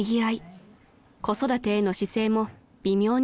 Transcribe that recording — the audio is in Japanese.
［子育てへの姿勢も微妙に違います］